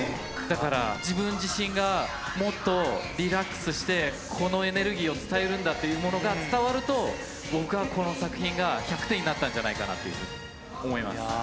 だから、自分自身がもっとリラックスして、このエネルギーを伝えるんだっていうものが伝わると、僕はこの作品が１００点になったんじゃないかなって思います。